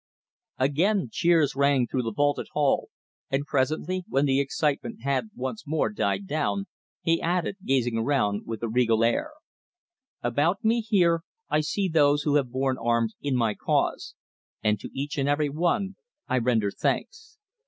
Again cheers rang through the vaulted hall, and presently, when the excitement had once more died down, he added, gazing round with a regal air: "About me here I see those who have borne arms in my cause, and to each and every one I render thanks.